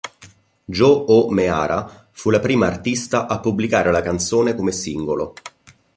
Jo O'Meara fu la prima artista a pubblicare la canzone come singolo.